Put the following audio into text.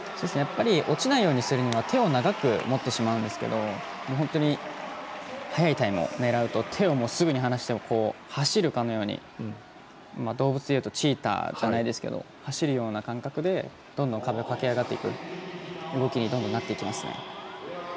落ちないようにするために手を長く持ってしまうんですが本当に速いタイムを狙うと、手をすぐ離して走るかのように動物でいうとチーターじゃないですけど走るような感覚で、どんどん壁を駆け上がっていく動きになっていきますね。